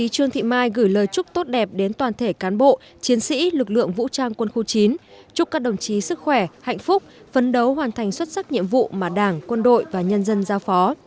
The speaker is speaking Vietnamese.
chúc các đồng chí sức khỏe hạnh phúc phấn đấu hoàn thành xuất sắc nhiệm vụ mà đảng quân đội và nhân dân giao phó